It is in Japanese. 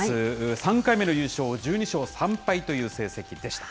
３回目の優勝、１２勝３敗という成績でした。